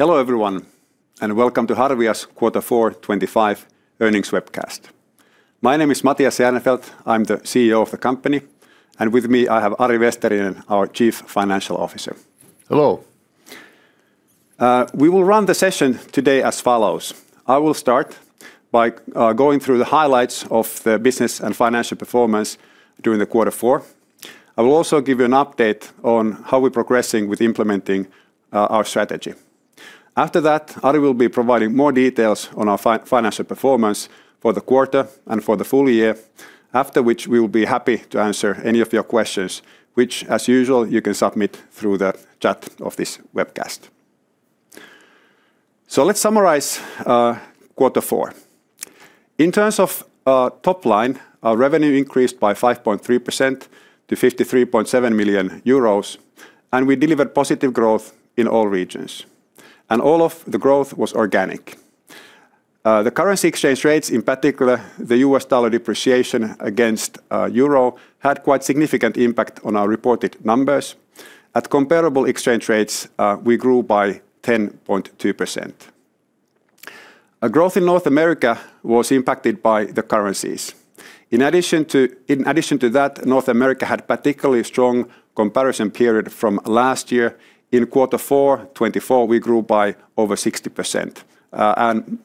Hello, everyone, and welcome to Harvia's Quarter Four 2025 Earnings webcast. My name is Matias Järnefelt. I'm the CEO of the company, and with me, I have Ari Vesterinen, our Chief Financial Officer. Hello. We will run the session today as follows: I will start by going through the highlights of the business and financial performance during quarter four. I will also give you an update on how we're progressing with implementing our strategy. After that, Ari will be providing more details on our financial performance for the quarter and for the full year, after which we will be happy to answer any of your questions, which, as usual, you can submit through the chat of this webcast. So let's summarize quarter four. In terms of top line, our revenue increased by 5.3% to 53.7 million euros, and we delivered positive growth in all regions, and all of the growth was organic. The currency exchange rates, in particular, the U.S. dollar depreciation against euro, had quite significant impact on our reported numbers. At comparable exchange rates, we grew by 10.2%. A growth in North America was impacted by the currencies. In addition to that, North America had particularly strong comparison period from last year. In quarter four 2024, we grew by over 60%, and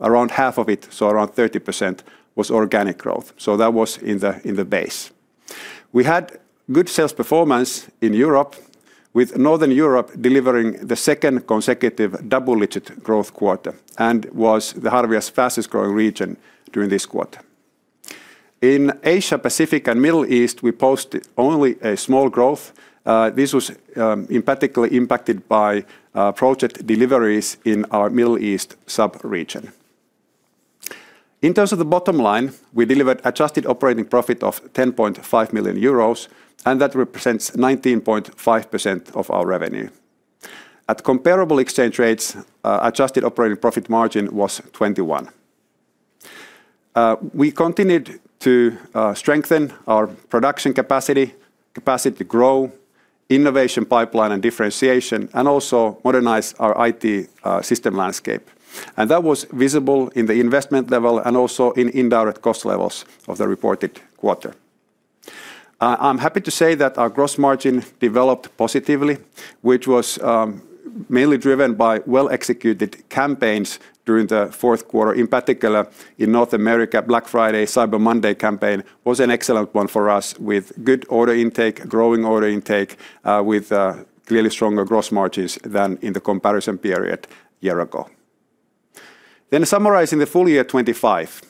around half of it, so around 30%, was organic growth, so that was in the base. We had good sales performance in Europe, with Northern Europe delivering the second consecutive double-digit growth quarter and was Harvia's fastest-growing region during this quarter. In Asia Pacific and Middle East, we posted only a small growth. This was particularly impacted by project deliveries in our Middle East sub-region. In terms of the bottom line, we delivered Adjusted Operating Profit of 10.5 million euros, and that represents 19.5% of our revenue. At comparable exchange rates, Adjusted Operating Profit margin was 21%. We continued to strengthen our production capacity, capacity to grow, innovation pipeline and differentiation, and also modernize our IT system landscape, and that was visible in the investment level and also in indirect cost levels of the reported quarter. I'm happy to say that our gross margin developed positively, which was mainly driven by well-executed campaigns during the fourth quarter, in particular, in North America, Black Friday, Cyber Monday campaign was an excellent one for us, with good order intake, growing order intake, with clearly stronger gross margins than in the comparison period year ago. Summarizing the full year 2025,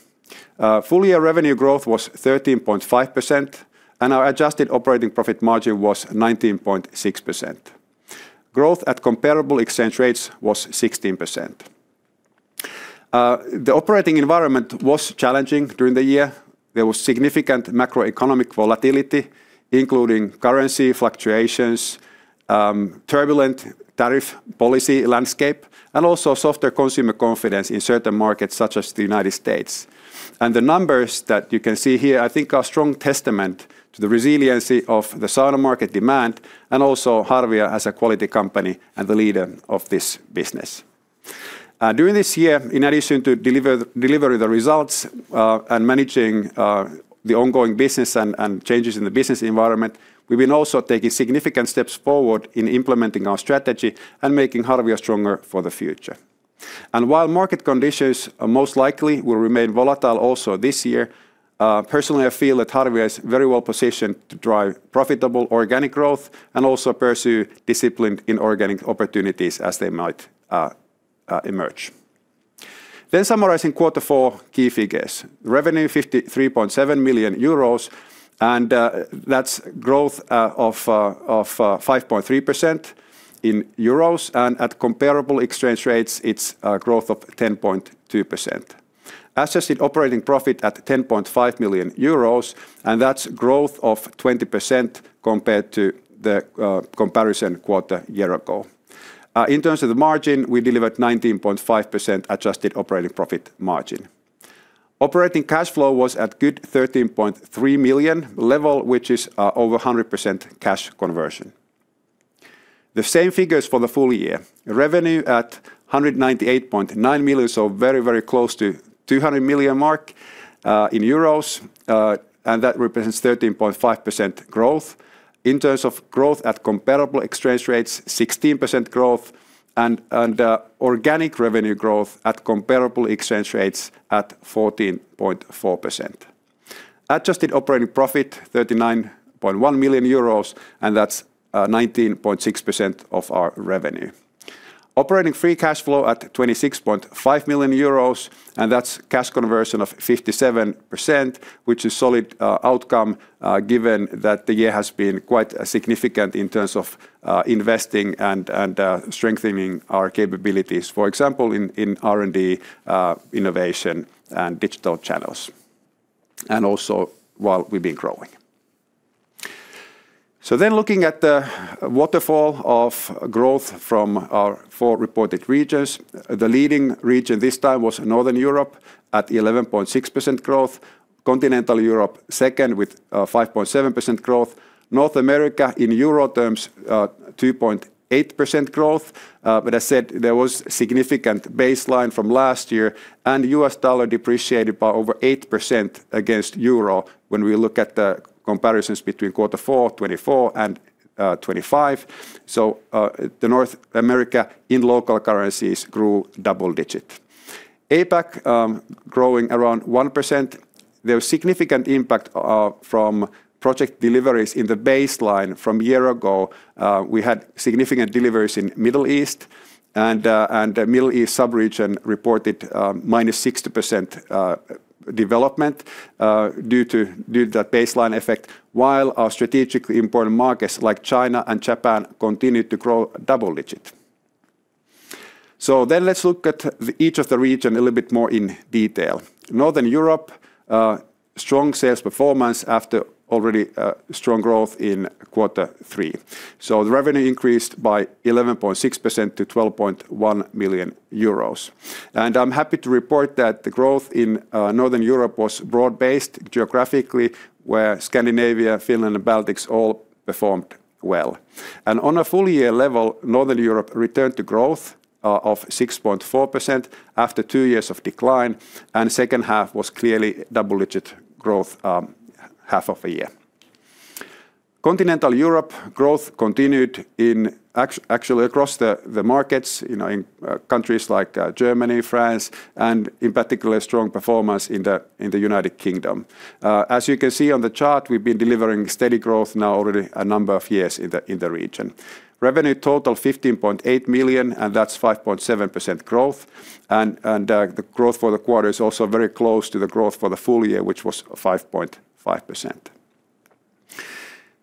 full-year revenue growth was 13.5%, and our adjusted operating profit margin was 19.6%. Growth at comparable exchange rates was 16%. The operating environment was challenging during the year. There was significant macroeconomic volatility, including currency fluctuations, turbulent tariff policy landscape, and also softer consumer confidence in certain markets, such as the United States. And the numbers that you can see here, I think, are a strong testament to the resiliency of the sauna market demand and also Harvia as a quality company and the leader of this business. During this year, in addition to delivering the results, and managing the ongoing business and changes in the business environment, we've been also taking significant steps forward in implementing our strategy and making Harvia stronger for the future. While market conditions most likely will remain volatile also this year, personally, I feel that Harvia is very well positioned to drive profitable organic growth and also pursue discipline in organic opportunities as they might emerge. Summarizing quarter four key figures, revenue 53.7 million euros, and that's growth of 5.3% in euros, and at comparable exchange rates, it's a growth of 10.2%. Adjusted operating profit at 10.5 million euros, and that's growth of 20% compared to the comparison quarter year ago. In terms of the margin, we delivered 19.5% adjusted operating profit margin. Operating cash flow was at good 13.3 million level, which is over 100% cash conversion. The same figures for the full year, revenue at 198.9 million, so very, very close to 200 million mark, in euros, and that represents 13.5% growth. In terms of growth at comparable exchange rates, 16% growth and organic revenue growth at comparable exchange rates at 14.4%. Adjusted operating profit 39.1 million euros, and that's 19.6% of our revenue. Operating free cash flow at 26.5 million euros, and that's cash conversion of 57%, which is solid outcome, given that the year has been quite significant in terms of investing and strengthening our capabilities, for example, in R&D, innovation, and digital channels, and also while we've been growing. So then looking at the waterfall of growth from our four reported regions, the leading region this time was Northern Europe at 11.6% growth. Continental Europe, second with 5.7% growth. North America, in euro terms, 2.8% growth. But I said there was significant baseline from last year, and U.S. dollar depreciated by over 8% against euro when we look at the comparisons between quarter four 2024 and 2025. So, the North America in local currencies grew double-digit. APAC, growing around 1%. There was significant impact from project deliveries in the baseline from a year ago. We had significant deliveries in the Middle East, and the Middle East sub-region reported -60% development due to that baseline effect, while our strategically important markets like China and Japan continued to grow double-digit. So let's look at each of the regions a little bit more in detail. Northern Europe strong sales performance after already a strong growth in quarter three. So the revenue increased by 11.6% to 12.1 million euros. And I'm happy to report that the growth in Northern Europe was broad-based geographically, where Scandinavia, Finland, and Baltics all performed well. And on a full year level, Northern Europe returned to growth of 6.4% after two years of decline, and second half was clearly double-digit growth, half of a year. Continental Europe growth continued actually across the markets, you know, in countries like Germany, France, and in particular, strong performance in the United Kingdom. As you can see on the chart, we've been delivering steady growth now already a number of years in the region. Revenue total, 15.8 million, and that's 5.7% growth, and the growth for the quarter is also very close to the growth for the full year, which was 5.5%.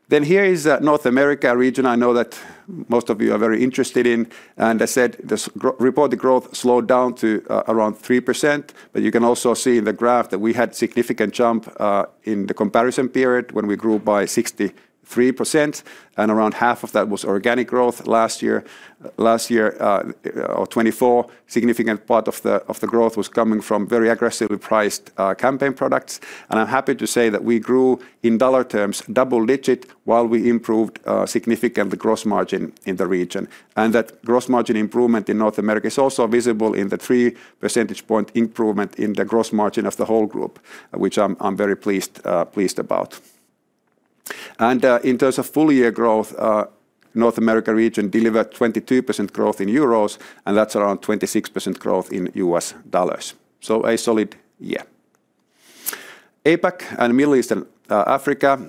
Then here is North America region. I know that most of you are very interested in, and I said, this reported growth slowed down to around 3%, but you can also see in the graph that we had significant jump in the comparison period when we grew by 63%, and around half of that was organic growth last year. Last year, or 2024, significant part of the, of the growth was coming from very aggressively priced campaign products. And I'm happy to say that we grew, in dollar terms, double-digit, while we improved significant gross margin in the region. And that gross margin improvement in North America is also visible in the three percentage point improvement in the gross margin of the whole group, which I'm very pleased about. In terms of full-year growth, North America region delivered 22% growth in EUR, and that's around 26% growth in USD. So a solid year. APAC and Middle East and Africa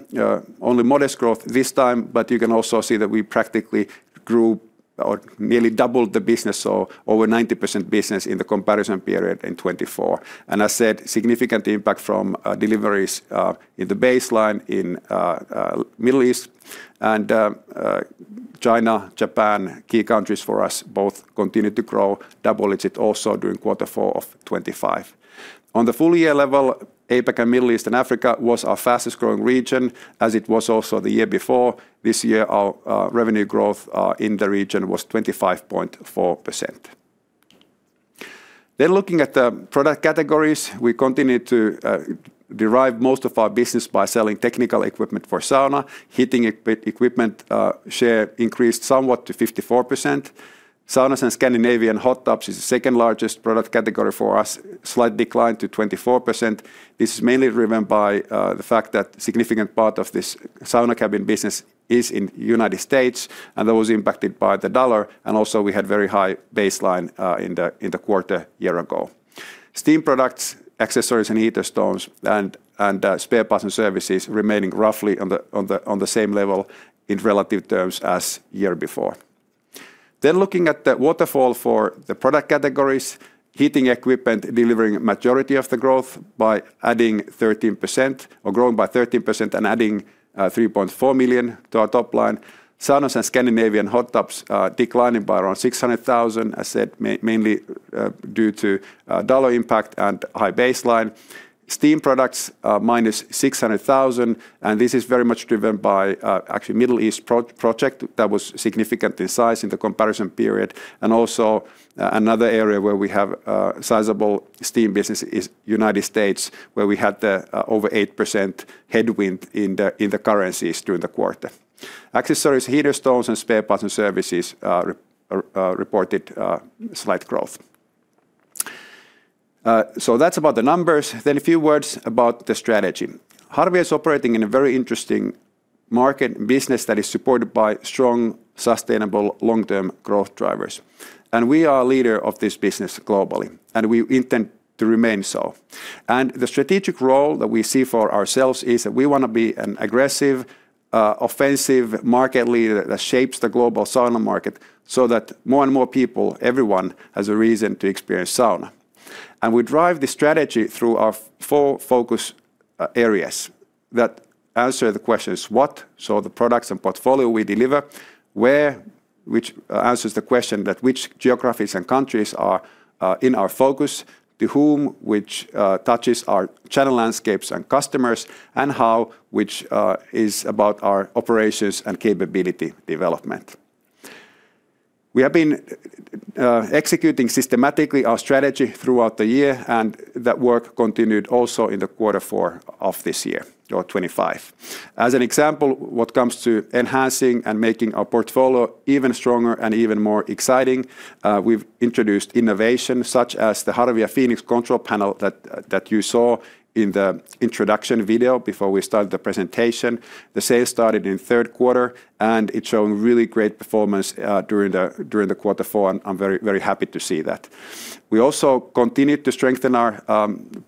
only modest growth this time, but you can also see that we practically grew or nearly doubled the business, so over 90% business in the comparison period in 2024. I said, significant impact from deliveries in the baseline in Middle East. China, Japan, key countries for us both continued to grow double-digit also during quarter four of 2025. On the full-year level, APAC and Middle East and Africa was our fastest-growing region, as it was also the year before. This year, our revenue growth in the region was 25.4%. Then looking at the product categories, we continue to derive most of our business by selling technical equipment for sauna. Heating equipment share increased somewhat to 54%. Saunas and Scandinavian hot tubs is the second largest product category for us, slight decline to 24%. This is mainly driven by the fact that significant part of this sauna cabin business is in the United States, and that was impacted by the dollar, and also we had very high baseline in the quarter year ago. Steam products, accessories and heater stones, and spare parts and services remaining roughly on the same level in relative terms as year before. Then looking at the waterfall for the product categories, heating equipment delivering majority of the growth by adding 13%, or growing by 13% and adding 3.4 million to our top line. Saunas and Scandinavian hot tubs declining by around 600,000, as said, mainly due to dollar impact and high baseline. Steam products minus 600,000, and this is very much driven by actually Middle East project that was significant in size in the comparison period. And also another area where we have sizable steam business is United States, where we had the over 8% headwind in the currencies during the quarter. Accessories, heater stones, and spare parts and services reported slight growth. So that's about the numbers. Then a few words about the strategy. Harvia is operating in a very interesting market business that is supported by strong, sustainable, long-term growth drivers. We are a leader of this business globally, and we intend to remain so. The strategic role that we see for ourselves is that we wanna be an aggressive, offensive market leader that shapes the global sauna market, so that more and more people, everyone, has a reason to experience sauna. We drive this strategy through our four focus areas that answer the questions what, so the products and portfolio we deliver. Which answers the question that which geographies and countries are in our focus, to whom, which touches our channel landscapes and customers, and how, which is about our operations and capability development. We have been executing systematically our strategy throughout the year, and that work continued also in quarter four of this year, or 2025. As an example, when it comes to enhancing and making our portfolio even stronger and even more exciting, we've introduced innovations, such as the Harvia Fenix control panel that you saw in the introduction video before we started the presentation. The sales started in third quarter, and it's shown really great performance during quarter four, and I'm very, very happy to see that. We also continued to strengthen our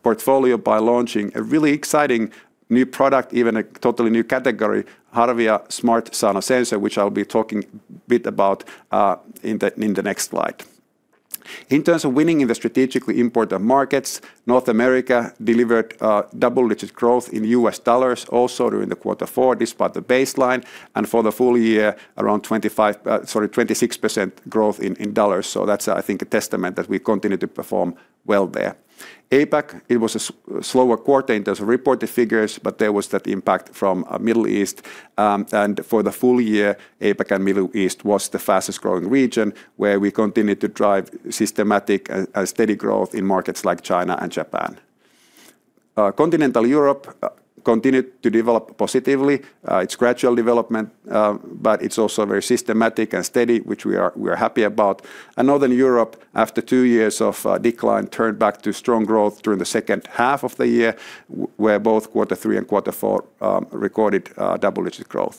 portfolio by launching a really exciting new product, even a totally new category, MyHarvia Smart Sauna Sensor, which I'll be talking a bit about in the next slide. In terms of winning in the strategically important markets, North America delivered double-digit growth in U.S. dollars also during quarter four, despite the baseline, and for the full year, around 26% growth in dollars. So that's, I think, a testament that we continue to perform well there. APAC, it was a slower quarter in terms of reported figures, but there was that impact from Middle East. And for the full year, APAC and Middle East was the fastest-growing region, where we continued to drive systematic and steady growth in markets like China and Japan. Continental Europe continued to develop positively. It's gradual development, but it's also very systematic and steady, which we are happy about. And Northern Europe, after two years of decline, turned back to strong growth during the second half of the year, where both quarter three and quarter four recorded double-digit growth.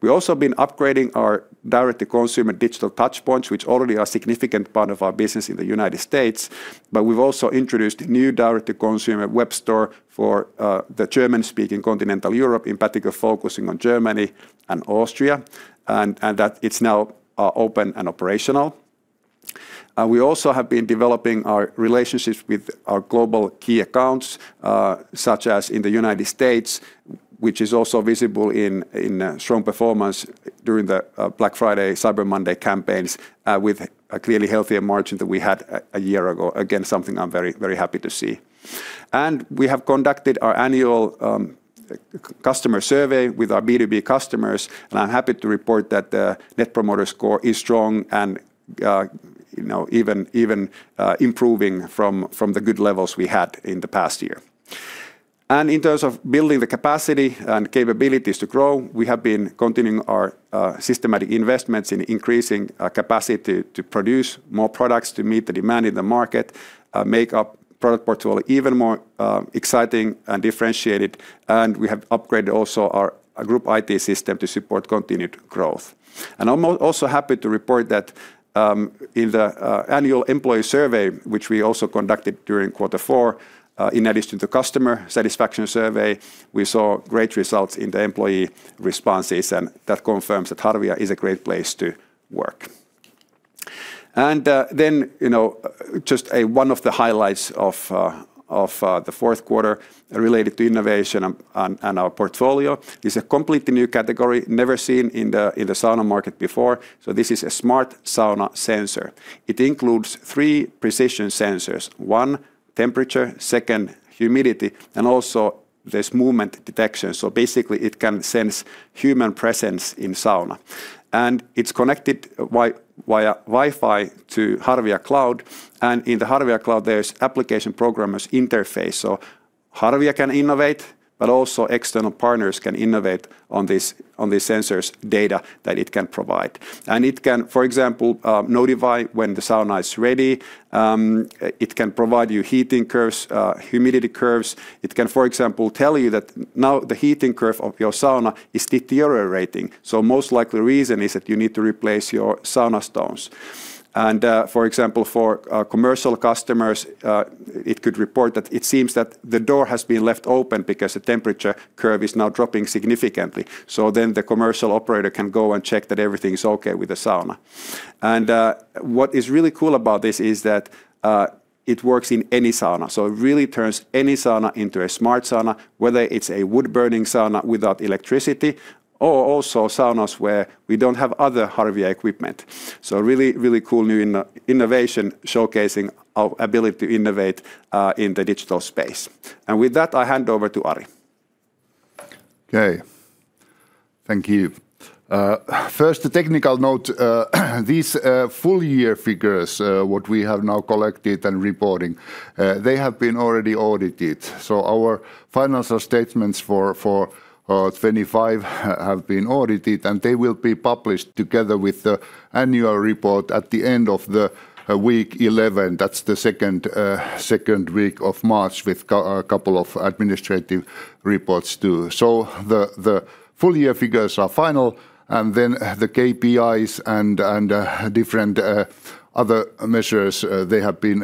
We've also been upgrading our direct-to-consumer digital touchpoints, which already are a significant part of our business in the United States, but we've also introduced a new direct-to-consumer web store for the German-speaking Continental Europe, in particular focusing on Germany and Austria, and that it's now open and operational. And we also have been developing our relationships with our global key accounts, such as in the United States, which is also visible in strong performance during the Black Friday, Cyber Monday campaigns, with a clearly healthier margin than we had a year ago. Again, something I'm very, very happy to see. We have conducted our annual customer survey with our B2B customers, and I'm happy to report that the Net Promoter Score is strong and, you know, even improving from the good levels we had in the past year. In terms of building the capacity and capabilities to grow, we have been continuing our systematic investments in increasing capacity to produce more products to meet the demand in the market, make our product portfolio even more exciting and differentiated, and we have upgraded also our group IT system to support continued growth. I'm also happy to report that, in the annual employee survey, which we also conducted during quarter four, in addition to customer satisfaction survey, we saw great results in the employee responses, and that confirms that Harvia is a great place to work. Then, you know, just one of the highlights of the fourth quarter related to innovation and our portfolio is a completely new category never seen in the sauna market before. So this is a smart sauna sensor. It includes three precision sensors: one, temperature; second, humidity; and also there's movement detection. So basically, it can sense human presence in sauna. And it's connected via Wi-Fi to Harvia Cloud, and in the Harvia Cloud, there's application programming interface. So Harvia can innovate, but also external partners can innovate on these sensors' data that it can provide. And it can, for example, notify when the sauna is ready. It can provide you heating curves, humidity curves. It can, for example, tell you that now the heating curve of your sauna is deteriorating, so most likely reason is that you need to replace your sauna stones. And, for commercial customers, it could report that it seems that the door has been left open because the temperature curve is now dropping significantly. So then the commercial operator can go and check that everything is okay with the sauna. What is really cool about this is that it works in any sauna, so it really turns any sauna into a smart sauna, whether it's a wood-burning sauna without electricity or also saunas where we don't have other Harvia equipment. So really, really cool new innovation, showcasing our ability to innovate in the digital space. With that, I hand over to Ari. Okay. Thank you. First, a technical note. These full-year figures, what we have now collected and reporting, they have been already audited. So our financial statements for 2025 have been audited, and they will be published together with the annual report at the end of the week 11. That's the second week of March, with couple of administrative reports, too. So the full-year figures are final, and then the KPIs and different other measures, they have been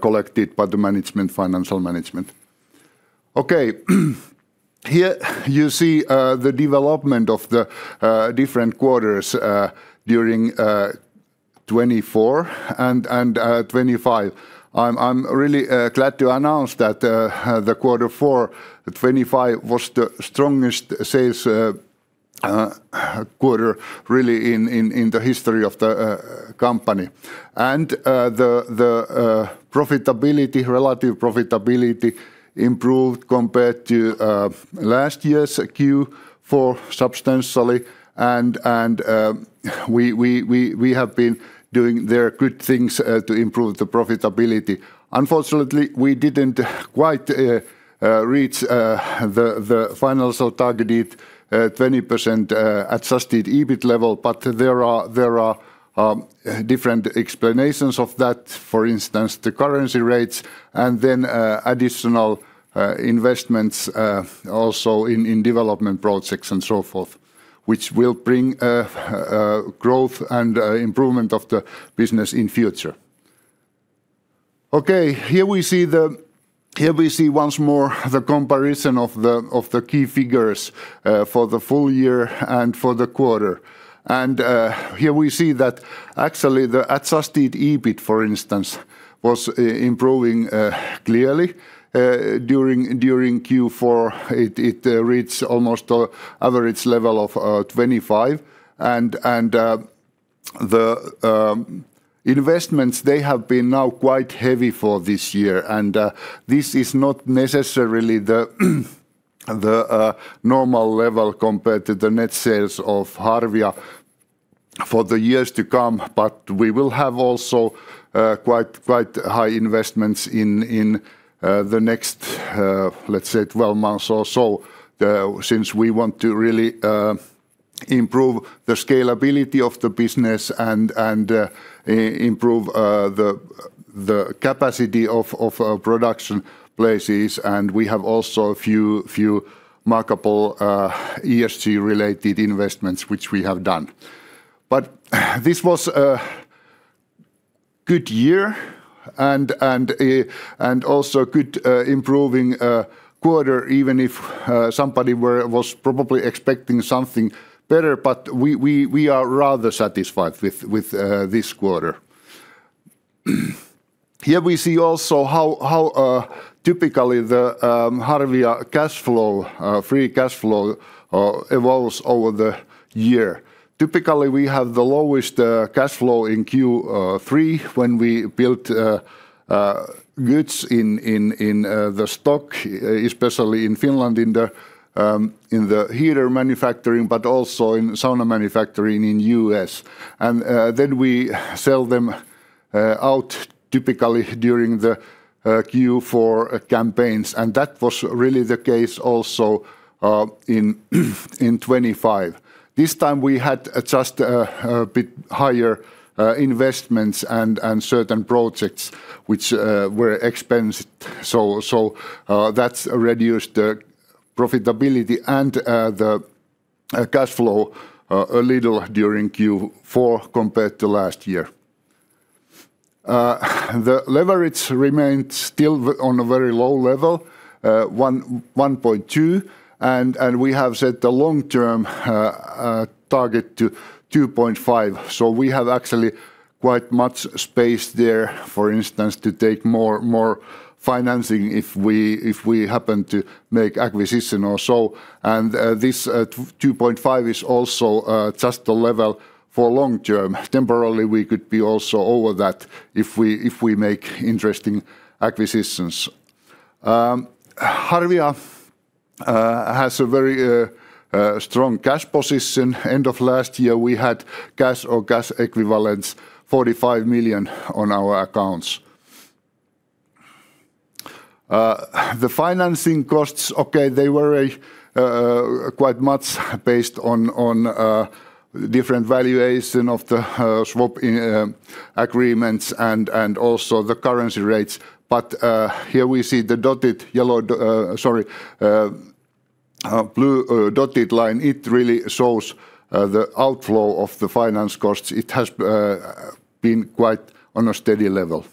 collected by the management, financial management. Okay. Here you see the development of the different quarters during 2024 and 2025. I'm really glad to announce that the quarter four 2025 was the strongest sales quarter really in the history of the company. And the profitability, relative profitability improved compared to last year's Q4 substantially, and we have been doing there good things to improve the profitability. Unfortunately, we didn't quite reach the financial targeted 20% adjusted EBIT level, but there are different explanations of that. For instance, the currency rates and then additional investments also in development projects and so forth, which will bring growth and improvement of the business in future. Okay, here we see once more the comparison of the key figures for the full year and for the quarter. And here we see that actually, the adjusted EBIT, for instance, was improving clearly during Q4. It reached almost a average level of 25. And the investments, they have been now quite heavy for this year, and this is not necessarily the normal level compared to the net sales of Harvia for the years to come, but we will have also quite high investments in the next, let's say, 12 months or so. Since we want to really improve the scalability of the business and improve the capacity of our production places, and we have also a few remarkable ESG-related investments, which we have done. But this was a good year, and also good improving quarter, even if somebody was probably expecting something better. But we are rather satisfied with this quarter. Here we see also how typically the Harvia cash flow, free cash flow, evolves over the year. Typically, we have the lowest cash flow in Q3, when we built goods in the stock, especially in Finland, in the heater manufacturing, but also in sauna manufacturing in U.S. And then we sell them out typically during the Q4 campaigns, and that was really the case also in 2025. This time, we had just a bit higher investments and certain projects, which were expensed. So that's reduced the profitability and the cash flow a little during Q4 compared to last year. The leverage remained still on a very low level, 1.2, and we have set the long-term target to 2.5. So we have actually quite much space there, for instance, to take more financing if we happen to make acquisition or so. And this 2.5 is also just a level for long term. Temporarily, we could be also over that if we make interesting acquisitions. Harvia has a very strong cash position. End of last year, we had cash or cash equivalents, 45 million on our accounts. The financing costs, okay, they were quite much based on different valuation of the swap agreements and also the currency rates. But here we see the dotted yellow, sorry, blue dotted line. It really shows the outflow of the finance costs. It has been quite on a steady level.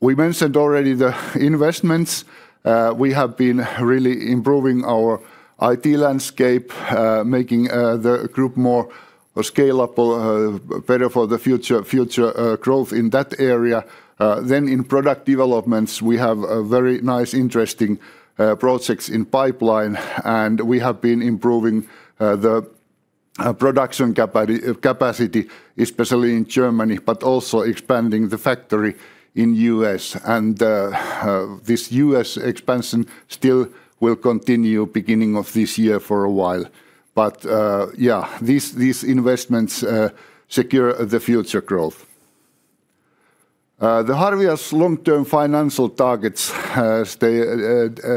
We mentioned already the investments. We have been really improving our IT landscape, making the group more scalable, better for the future growth in that area. Then in product developments, we have a very nice, interesting projects in pipeline, and we have been improving the production capacity, especially in Germany, but also expanding the factory in U.S. This U.S. expansion still will continue beginning of this year for a while. Yeah, these investments secure the future growth. Harvia's long-term financial targets stay;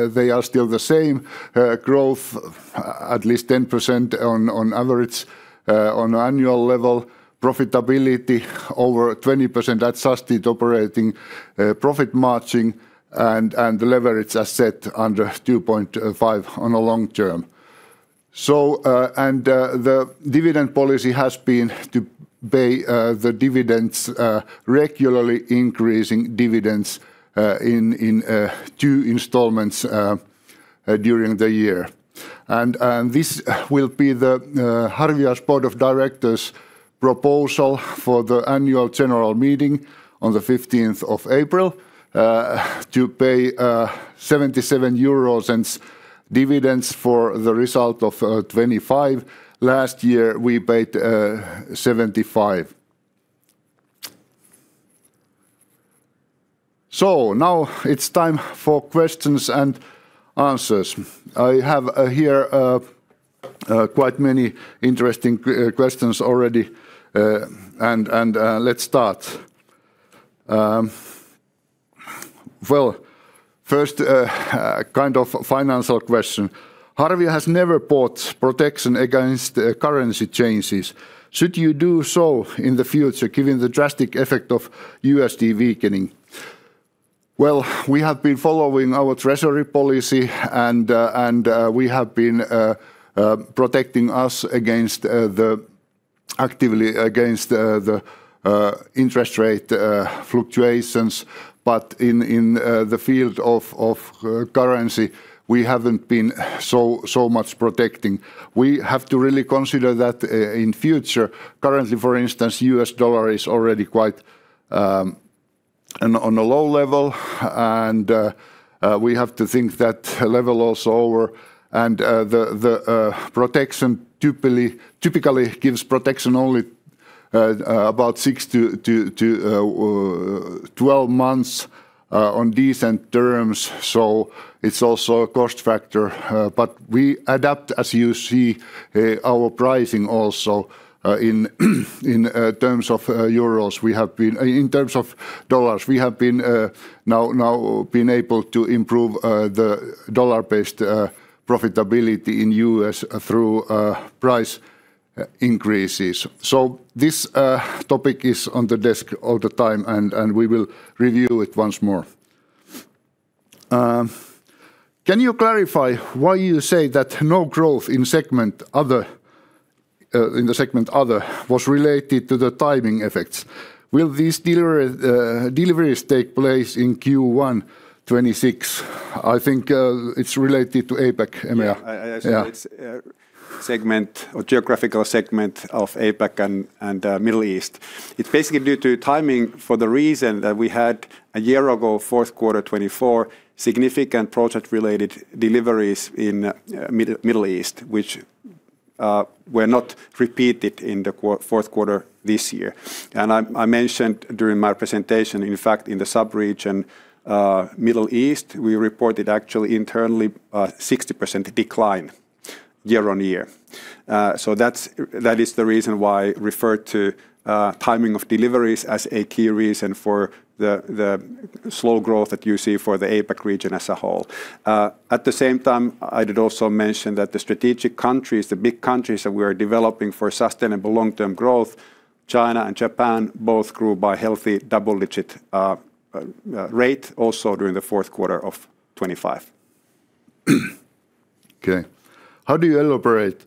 they are still the same. Growth at least 10% on average on an annual level; profitability, over 20% adjusted operating profit margin; and leverage as set under 2.5 on a long term. The dividend policy has been to pay the dividends regularly increasing dividends in two installments during the year. This will be Harvia's Board of Directors' proposal for the Annual General Meeting on the 15th of April to pay EUR .77 in dividends for the result of 2025. Last year, we paid 75. So now it's time for questions and answers. I have here quite many interesting questions already. And let's start. Well, first, a kind of financial question: Harvia has never bought protection against the currency changes. Should you do so in the future, given the drastic effect of U.S.D weakening? Well, we have been following our treasury policy, and we have been protecting us against the actively against the interest rate fluctuations, but in the field of currency, we haven't been so much protecting. We have to really consider that in future. Currently, for instance, U.S. dollar is already quite on a low level, and we have to think that level also over, and the protection typically gives protection only about six-12 months on decent terms, so it's also a cost factor. But we adapt, as you see, our pricing also in terms of euros. In terms of dollars, we have been able to improve the dollar-based profitability in U.S. through price increases. So this topic is on the desk all the time, and we will review it once more. Can you clarify why you say that no growth in segment other, in the segment other, was related to the timing effects? Will these deliveries take place in Q1 2026? I think, it's related to APAC, Emil. Yeah, I- Yeah Assume it's segment or geographical segment of APAC and Middle East. It's basically due to timing for the reason that we had, a year ago, fourth quarter 2024, significant project-related deliveries in Middle East, which were not repeated in the fourth quarter this year. And I mentioned during my presentation, in fact, in the sub-region Middle East, we reported actually internally a 60% decline year-on-year. So that's that is the reason why referred to timing of deliveries as a key reason for the slow growth that you see for the APAC region as a whole. At the same time, I did also mention that the strategic countries, the big countries that we are developing for sustainable long-term growth, China and Japan, both grew by healthy double-digit rate also during the fourth quarter of 2025. Okay. How do you elaborate?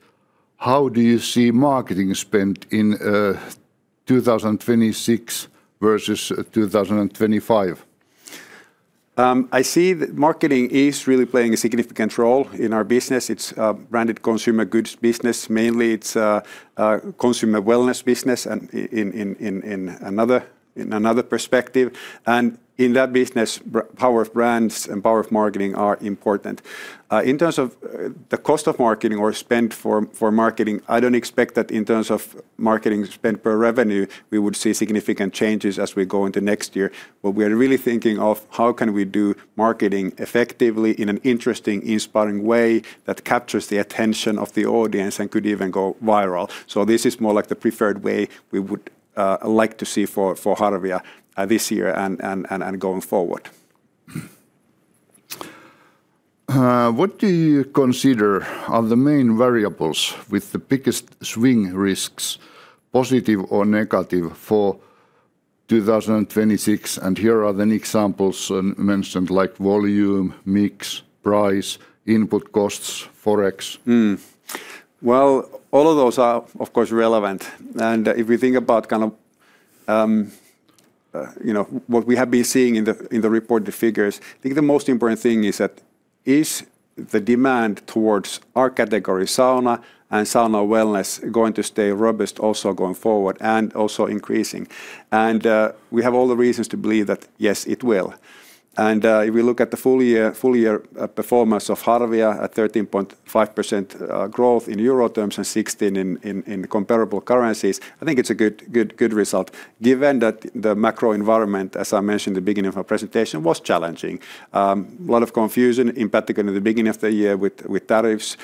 How do you see marketing spent in 2026 versus 2025? I see that marketing is really playing a significant role in our business. It's branded consumer goods business. Mainly, it's a consumer wellness business, and in another perspective, and in that business, power of brands and power of marketing are important. In terms of the cost of marketing or spend for marketing, I don't expect that in terms of marketing spend per revenue, we would see significant changes as we go into next year. What we are really thinking of, how can we do marketing effectively in an interesting, inspiring way that captures the attention of the audience and could even go viral? So this is more like the preferred way we would like to see for Harvia this year and going forward. What do you consider are the main variables with the biggest swing risks, positive or negative, for 2026? And here are the examples mentioned, like volume, mix, price, input costs, Forex. Well, all of those are, of course, relevant, and if we think about kind of, you know, what we have been seeing in the reported figures, I think the most important thing is that the demand towards our category, sauna and sauna wellness, going to stay robust also going forward and also increasing? And we have all the reasons to believe that, yes, it will. And if we look at the full year performance of Harvia at 13.5% growth in euro terms and 16% in comparable currencies, I think it's a good, good, good result, given that the macro environment, as I mentioned at the beginning of my presentation, was challenging. A lot of confusion, in particular in the beginning of the year, with tariffs,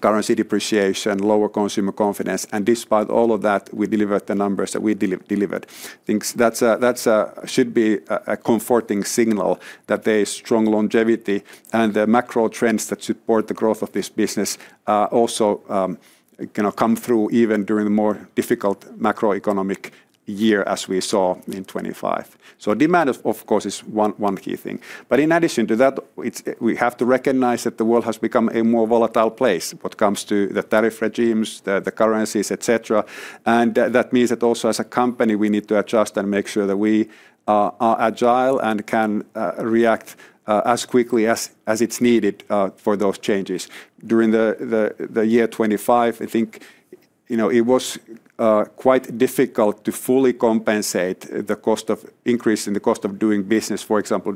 currency depreciation, lower consumer confidence, and despite all of that, we delivered the numbers that we delivered. That's a comforting signal that there is strong longevity and the macro trends that support the growth of this business also kind of come through even during the more difficult macroeconomic year, as we saw in 2025. So demand of course is one key thing. But in addition to that, it's, we have to recognize that the world has become a more volatile place when it comes to the tariff regimes, the currencies, et cetera. And that means that also as a company, we need to adjust and make sure that we are agile and can react as quickly as it's needed for those changes. During the year 2025, I think you know, it was quite difficult to fully compensate the cost of increase in the cost of doing business, for example,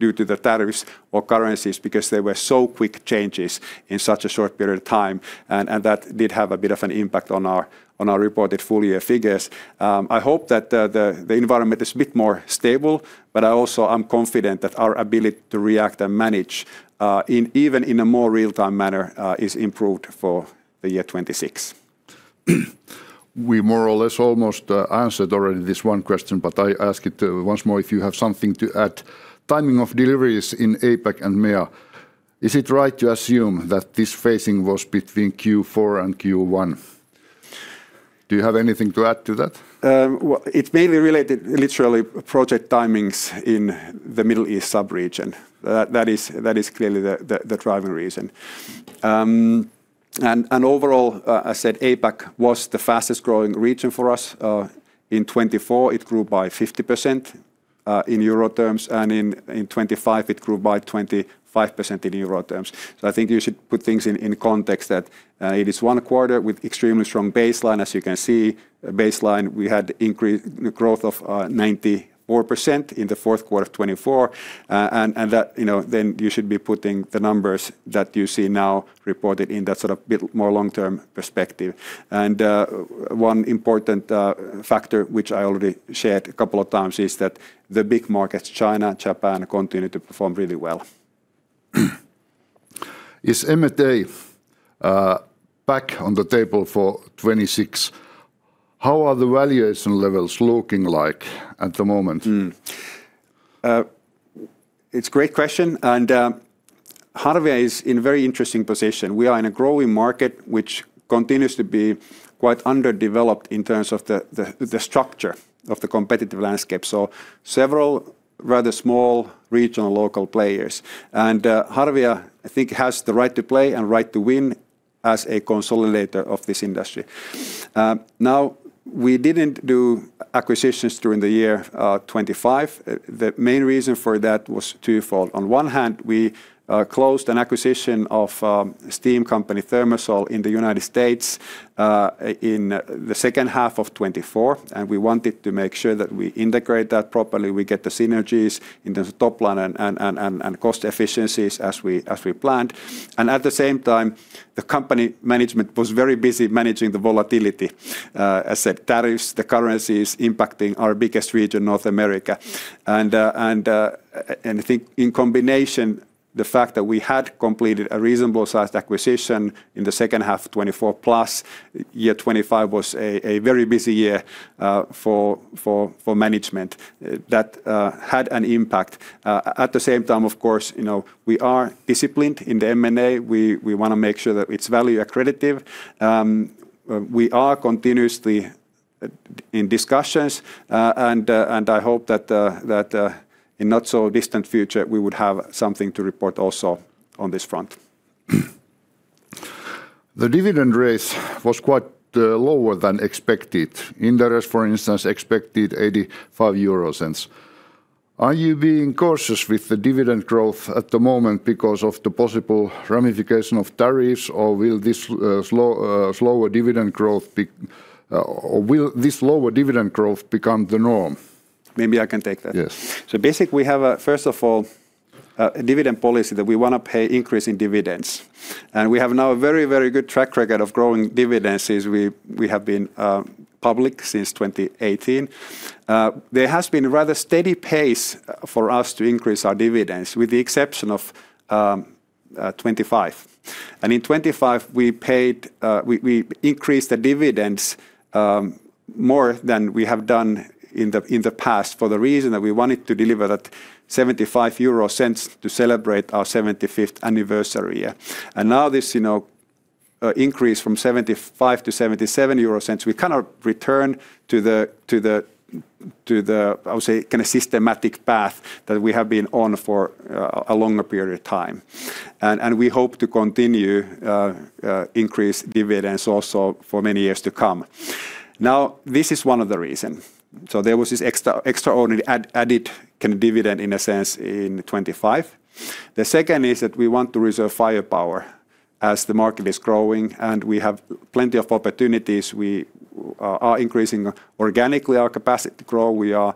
due to the tariffs or currencies, because they were so quick changes in such a short period of time. And that did have a bit of an impact on our reported full-year figures. I hope that the environment is a bit more stable, but I also am confident that our ability to react and manage in even a more real-time manner is improved for the year 2026. We more or less almost answered already this one question, but I ask it once more if you have something to add. Timing of deliveries in APAC and MEA, is it right to assume that this phasing was between Q4 and Q1? Do you have anything to add to that? Well, it's mainly related literally project timings in the Middle East sub-region. That is clearly the driving reason. And overall, I said APAC was the fastest growing region for us in 2024. It grew by 50% in euro terms, and in 2025, it grew by 25% in euro terms. So I think you should put things in context that it is one quarter with extremely strong baseline. As you can see, baseline, we had increased the growth of 94% in the fourth quarter of 2024. And that, you know, then you should be putting the numbers that you see now reported in that sort of bit more long-term perspective. One important factor, which I already shared a couple of times, is that the big markets, China, Japan, continue to perform really well. Is M&A back on the table for 2026? How are the valuation levels looking like at the moment? It's a great question, and Harvia is in a very interesting position. We are in a growing market, which continues to be quite underdeveloped in terms of the structure of the competitive landscape, so several rather small regional local players. And Harvia, I think, has the right to play and right to win as a consolidator of this industry. Now, we didn't do acquisitions during the year 2025. The main reason for that was twofold. On one hand, we closed an acquisition of steam company ThermaSol in the United States in the second half of 2024, and we wanted to make sure that we integrate that properly, we get the synergies in terms of top line and cost efficiencies as we planned. At the same time, the company management was very busy managing the volatility as the tariffs, the currency is impacting our biggest region, North America. And I think in combination, the fact that we had completed a reasonable-sized acquisition in the second half of 2024, plus year 2025 was a very busy year for management. That had an impact. At the same time, of course, you know, we are disciplined in the M&A. We wanna make sure that it's value accretive. We are continuously in discussions, and I hope that in not so distant future, we would have something to report also on this front. The dividend rates was quite lower than expected. Interest, for instance, expected 0.85. Are you being cautious with the dividend growth at the moment because of the possible ramification of tariffs, or will this slow slower dividend growth be or will this lower dividend growth become the norm? Maybe I can take that. Yes. So basically, we have a first of all a dividend policy that we wanna pay increase in dividends, and we have now a very, very good track record of growing dividends since we have been public since 2018. There has been a rather steady pace for us to increase our dividends, with the exception of 2025. And in 2025, we paid. We increased the dividends more than we have done in the past for the reason that we wanted to deliver that 0.75 to celebrate our seventy-fifth anniversary year. And now this, you know, increase from 0.75 to 0.77, we kind of return to the I would say kind of systematic path that we have been on for a longer period of time. We hope to continue increase dividends also for many years to come. Now, this is one of the reason. So there was this extraordinary added kind of dividend, in a sense, in 2025. The second is that we want to reserve firepower as the market is growing, and we have plenty of opportunities. We are increasing organically our capacity to grow. We are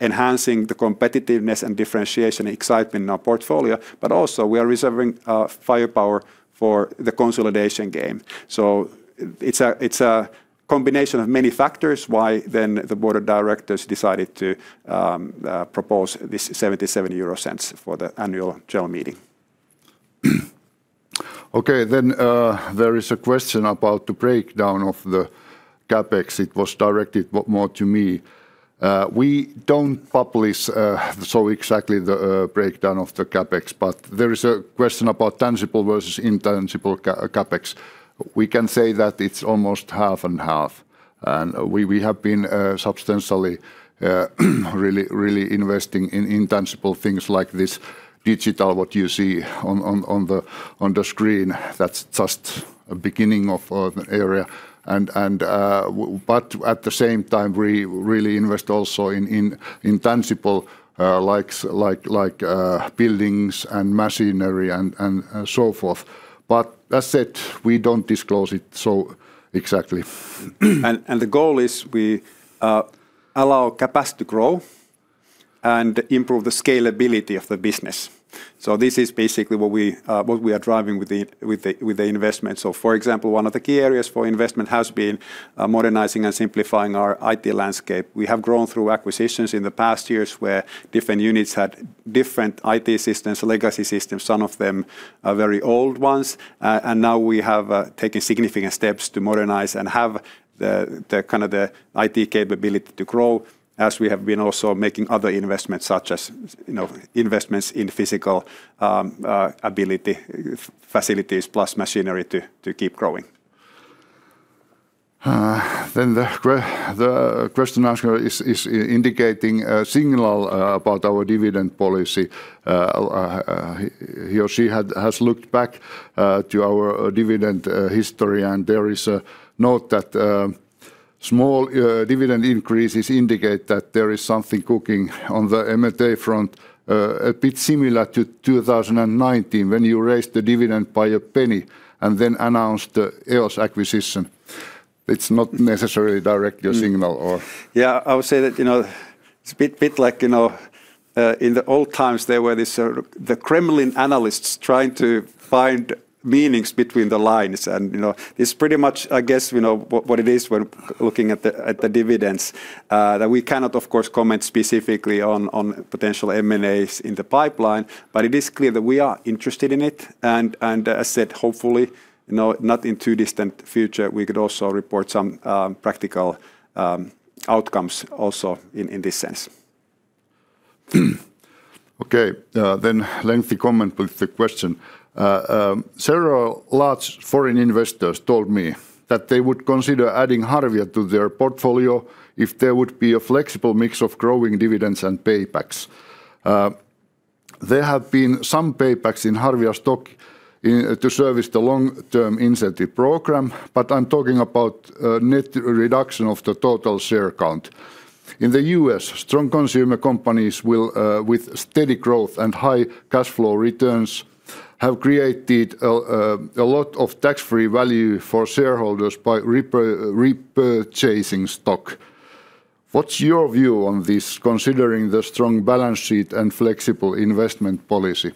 enhancing the competitiveness and differentiation, excitement in our portfolio, but also we are reserving firepower for the consolidation game. So it's a combination of many factors why then the Board of Directors decided to propose this 0.77 for the Annual General Meeting. Okay, then, there is a question about the breakdown of the CapEx. It was directed more to me. We don't publish so exactly the breakdown of the CapEx, but there is a question about tangible versus intangible CapEx. We can say that it's almost half and half, and we have been substantially really, really investing in intangible things like this digital what you see on the screen. That's just a beginning of the area. But at the same time, we really invest also in tangible like, like, buildings and machinery and so forth. But that said, we don't disclose it so exactly. The goal is we allow capacity to grow and improve the scalability of the business. So this is basically what we are driving with the investment. So for example, one of the key areas for investment has been modernizing and simplifying our IT landscape. We have grown through acquisitions in the past years, where different units had different IT systems, legacy systems, some of them are very old ones. And now we have taken significant steps to modernize and have the kind of IT capability to grow as we have been also making other investments such as, you know, investments in physical facilities, plus machinery to keep growing. Then the question asker is indicating a signal about our dividend policy. He or she has looked back to our dividend history, and there is a note that, "Small dividend increases indicate that there is something cooking on the M&A front, a bit similar to 2019, when you raised the dividend by a penny and then announced the EOS acquisition." It's not necessarily directly a signal or- Yeah, I would say that, you know, it's a bit like, you know, in the old times, there were these the Kremlin analysts trying to find meanings between the lines. And, you know, it's pretty much, I guess, you know, what it is when looking at the dividends. That we cannot, of course, comment specifically on potential M&As in the pipeline, but it is clear that we are interested in it. And as said, hopefully, you know, not in too distant future, we could also report some practical outcomes also in this sense. Okay, then lengthy comment with the question. "Several large foreign investors told me that they would consider adding Harvia to their portfolio if there would be a flexible mix of growing dividends and paybacks. There have been some paybacks in Harvia stock in to service the long-term incentive program, but I'm talking about a net reduction of the total share count. In the U.S., strong consumer companies will, with steady growth and high cash flow returns, have created a lot of tax-free value for shareholders by repurchasing stock. What's your view on this, considering the strong balance sheet and flexible investment policy?"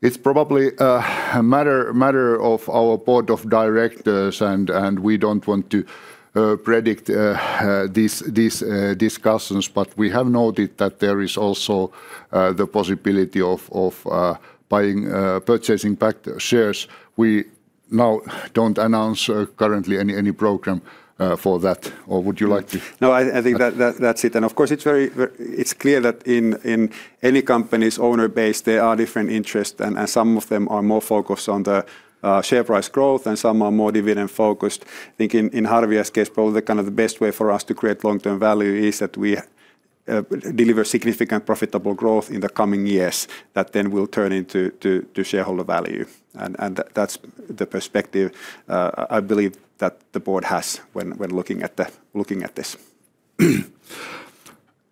It's probably a matter of our Board of Directors, and we don't want to predict these discussions, but we have noted that there is also the possibility of purchasing back the shares. We now don't announce currently any program for that, or would you like to- No, I think that's it. And of course, it's very, it's clear that in any company's owner base, there are different interests, and some of them are more focused on the share price growth, and some are more dividend-focused. I think in Harvia's case, probably the kind of the best way for us to create long-term value is that we deliver significant profitable growth in the coming years, that then will turn into shareholder value. And that's the perspective I believe that the board has when looking at this.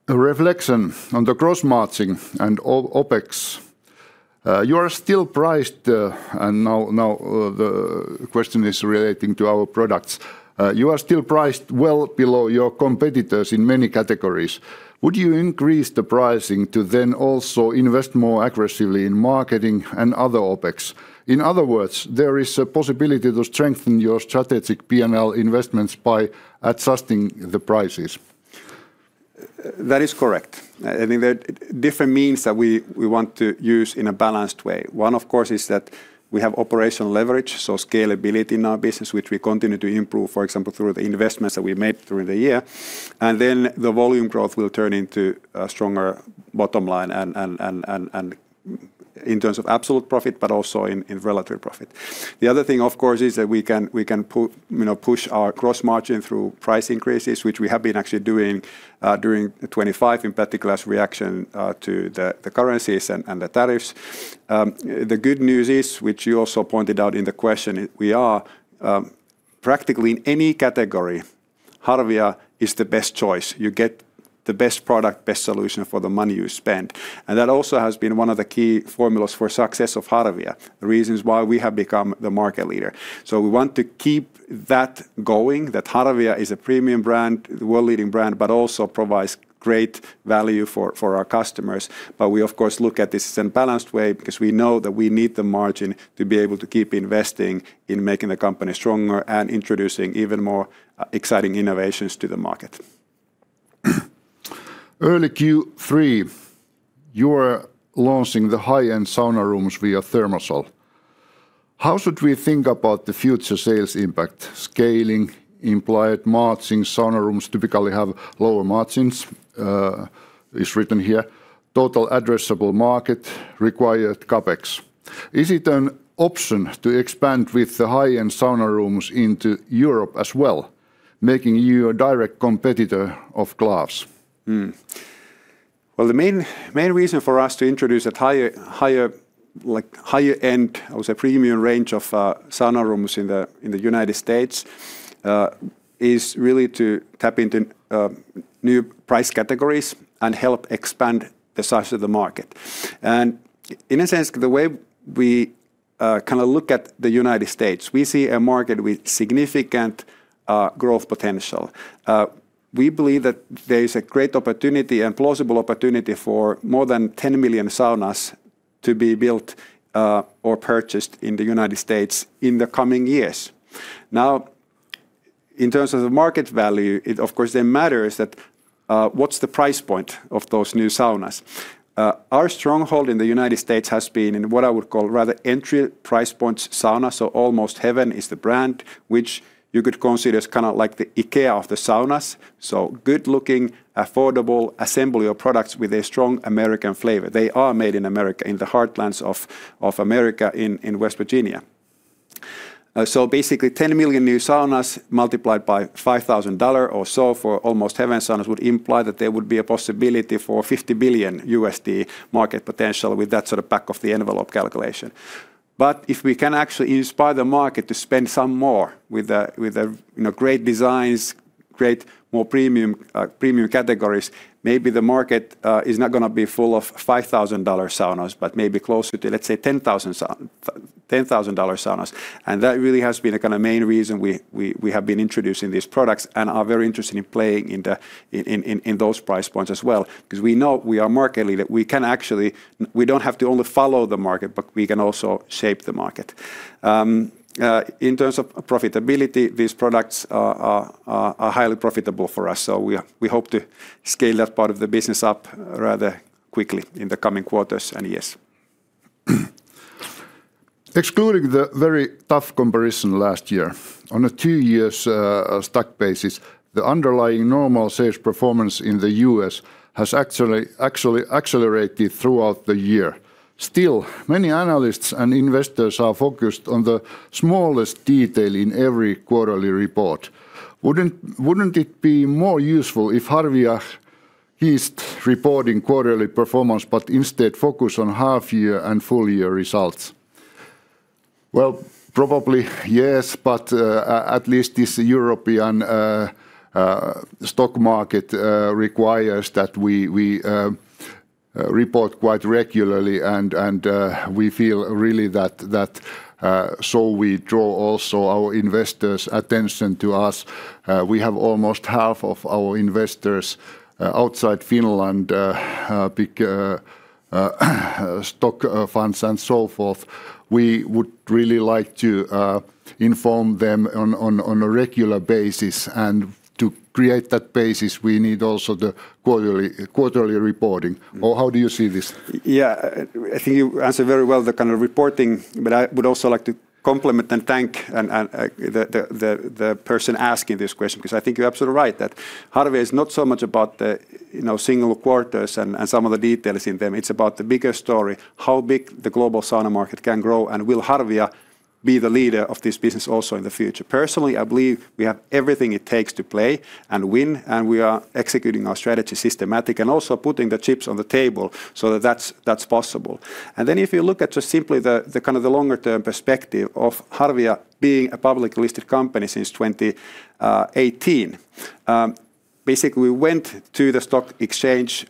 A reflection on the gross margin and OpEx. You are still priced, and now the question is relating to our products. "You are still priced well below your competitors in many categories. Would you increase the pricing to then also invest more aggressively in marketing and other OpEx? In other words, there is a possibility to strengthen your strategic P&L investments by adjusting the prices. That is correct. I think there are different means that we want to use in a balanced way. One, of course, is that we have operational leverage, so scalability in our business, which we continue to improve, for example, through the investments that we made during the year. And then the volume growth will turn into a stronger bottom line and in terms of absolute profit, but also in relative profit. The other thing, of course, is that we can you know, push our gross margin through price increases, which we have been actually doing during 2025, in particular as reaction to the currencies and the tariffs. The good news is, which you also pointed out in the question, we are practically in any category, Harvia is the best choice. You get the best product, best solution for the money you spend. That also has been one of the key formulas for success of Harvia, the reasons why we have become the market leader. We want to keep that going, that Harvia is a premium brand, world-leading brand, but also provides great value for our customers. We, of course, look at this in balanced way because we know that we need the margin to be able to keep investing in making the company stronger and introducing even more exciting innovations to the market. Early Q3, you are launching the high-end sauna rooms via ThermaSol. How should we think about the future sales impact, scaling, implied margins? Sauna rooms typically have lower margins, total addressable market required CapEx. Is it an option to expand with the high-end sauna rooms into Europe as well, making you a direct competitor of Glass? Hmm. Well, the main, main reason for us to introduce a higher, higher, like, higher end, or say, premium range of sauna rooms in the United States is really to tap into new price categories and help expand the size of the market. And in a sense, the way we kind of look at the United States, we see a market with significant growth potential. We believe that there is a great opportunity and plausible opportunity for more than 10 million saunas to be built or purchased in the United States in the coming years. Now, in terms of the market value, it of course then matters that what's the price point of those new saunas? Our stronghold in the United States has been in what I would call rather entry price point saunas, so Almost Heaven is the brand which you could consider as kind of like the IKEA of the saunas. So good-looking, affordable, assembly of products with a strong American flavor. They are made in America, in the heartlands of America in West Virginia. So basically, 10 million new saunas multiplied by $5,000 or so for Almost Heaven saunas would imply that there would be a possibility for $50 billion market potential with that sort of back-of-the-envelope calculation. But if we can actually inspire the market to spend some more with a, with a, you know, great designs, great more premium, premium categories, maybe the market is not gonna be full of $5,000 saunas, but maybe closer to, let's say, 10,000 sauna-$10,000 saunas. That really has been a kind of main reason we have been introducing these products and are very interested in playing in those price points as well. 'Cause we know we are market leader. We can actually we don't have to only follow the market, but we can also shape the market. In terms of profitability, these products are highly profitable for us, so we hope to scale that part of the business up rather quickly in the coming quarters and years. Excluding the very tough comparison last year, on a two years stock basis, the underlying normal sales performance in the U.S. has actually, actually accelerated throughout the year. Still, many analysts and investors are focused on the smallest detail in every quarterly report. Wouldn't it be more useful if Harvia ceased reporting quarterly performance, but instead focus on half-year and full-year results? Well, probably yes, but at least this European stock market requires that we report quite regularly, and we feel really that so we draw also our investors' attention to us. We have almost half of our investors outside Finland, big stock funds and so forth. We would really like to inform them on a regular basis, and to create that basis, we need also the quarterly reporting. Or how do you see this? Yeah, I think you answered very well the kind of reporting, but I would also like to compliment and thank the person asking this question, 'cause I think you're absolutely right, that Harvia is not so much about the, you know, single quarters and some of the details in them. It's about the bigger story, how big the global sauna market can grow, and will Harvia be the leader of this business also in the future? Personally, I believe we have everything it takes to play and win, and we are executing our strategy systematic and also putting the chips on the table so that that's possible. And then if you look at just simply the kind of the longer-term perspective of Harvia being a public listed company since 2018, basically we went to the stock exchange,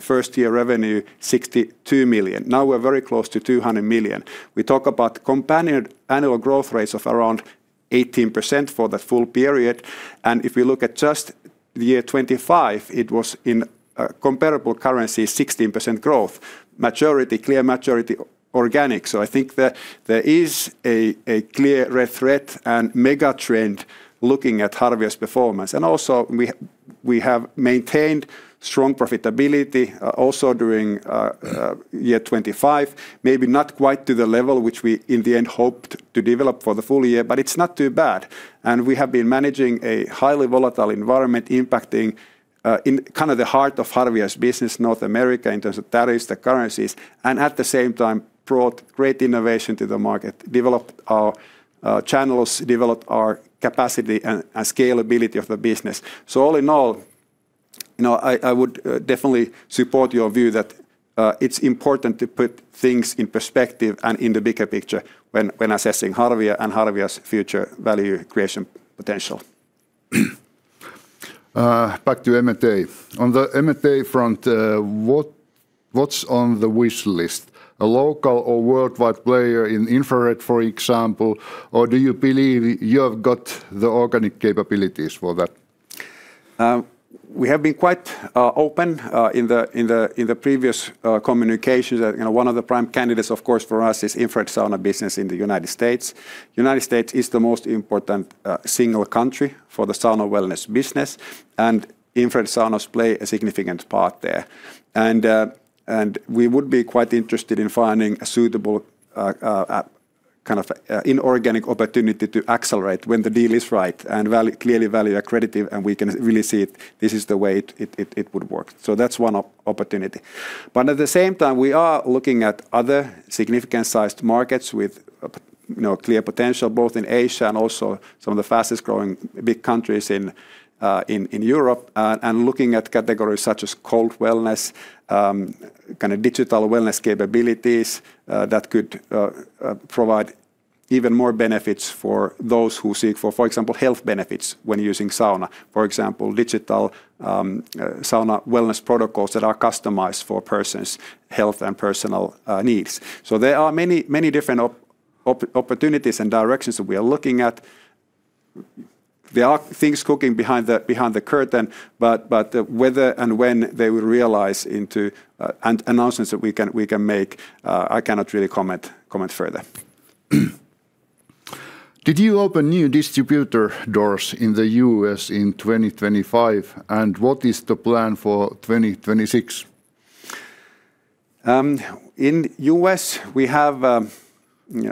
first-year revenue, 62 million. Now we're very close to 200 million. We talk about companion annual growth rates of around 18% for the full period, and if you look at just the year 2025, it was in comparable currency, 16% growth. Majority, clear majority organic, so I think that there is a clear red thread and mega trend looking at Harvia's performance. And also, we have maintained strong profitability, also during year 2025. Maybe not quite to the level which we in the end hoped to develop for the full year, but it's not too bad. We have been managing a highly volatile environment, impacting in kind of the heart of Harvia's business, North America, in terms of tariffs, the currencies, and at the same time brought great innovation to the market, developed our channels, developed our capacity and scalability of the business. So all in all, you know, I would definitely support your view that it's important to put things in perspective and in the bigger picture when assessing Harvia and Harvia's future value creation potential. Back to M&A. On the M&A front, what's on the wish list? A local or worldwide player in infrared, for example, or do you believe you have got the organic capabilities for that? We have been quite open in the previous communications that, you know, one of the prime candidates, of course, for us, is infrared sauna business in the United States. United States is the most important single country for the sauna wellness business, and infrared saunas play a significant part there. We would be quite interested in finding a suitable kind of inorganic opportunity to accelerate when the deal is right, and value-accretive, and we can really see it, this is the way it would work. So that's one opportunity. But at the same time, we are looking at other significant-sized markets with you know, clear potential, both in Asia and also some of the fastest-growing big countries in Europe, and looking at categories such as cold wellness, kind of digital wellness capabilities, that could provide even more benefits for those who seek for example, health benefits when using sauna. For example, digital sauna wellness protocols that are customized for person's health and personal needs. So there are many, many different opportunities and directions that we are looking at. There are things cooking behind the curtain, but whether and when they will realize into announcements that we can make, I cannot really comment further. Did you open new distributor doors in the U.S. in 2025, and what is the plan for 2026? In the U.S., we have, I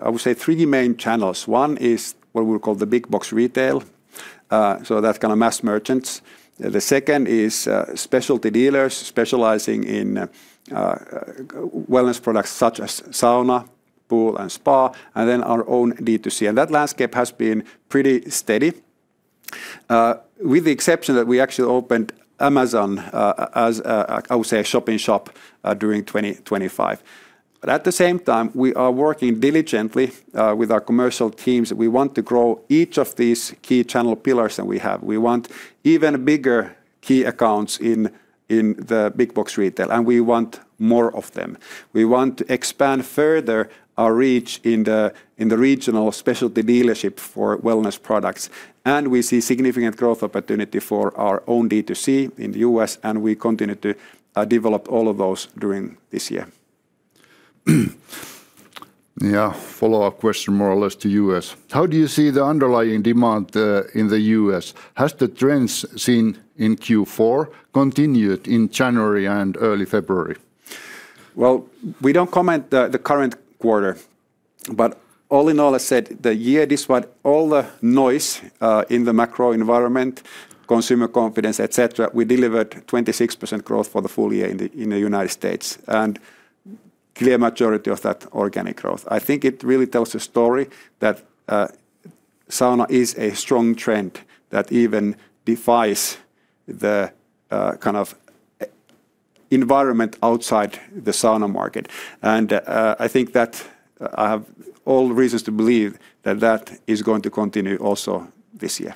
would say, three main channels. One is what we call the big box retail, so that's kind of mass merchants. The second is, specialty dealers specializing in, wellness products such as sauna, pool, and spa, and then our own D2C. And that landscape has been pretty steady, with the exception that we actually opened Amazon, as a, I would say, a shopping shop, during 2025. But at the same time, we are working diligently, with our commercial teams. We want to grow each of these key channel pillars that we have. We want even bigger key accounts in, in the big box retail, and we want more of them. We want to expand further our reach in the regional specialty dealership for wellness products, and we see significant growth opportunity for our own D2C in the U.S., and we continue to develop all of those during this year. Yeah. Follow-up question more or less to U.S. How do you see the underlying demand in the U.S.? Has the trends seen in Q4 continued in January and early February? Well, we don't comment on the current quarter, but all in all, I said, the year despite all the noise in the macro environment, consumer confidence, et cetera, we delivered 26% growth for the full year in the United States, and clear majority of that, organic growth. I think it really tells the story that sauna is a strong trend that even defies the kind of environment outside the sauna market. I think that I have all the reasons to believe that that is going to continue also this year.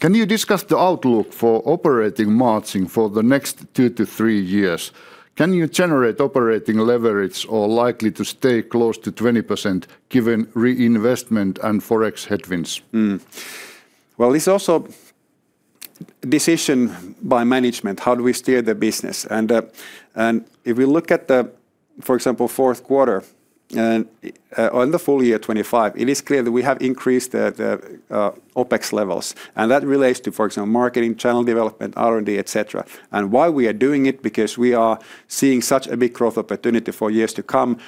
Can you discuss the outlook for operating margin for the next two-three years? Can you generate operating leverage or likely to stay close to 20%, given reinvestment and Forex headwinds? Mm. Well, it's also decision by management, how do we steer the business? And if we look at the, for example, fourth quarter, and on the full year 2025, it is clear that we have increased the OpEx levels, and that relates to, for example, marketing, channel development, R&D, et cetera. And why we are doing it, because we are seeing such a big growth opportunity for years to come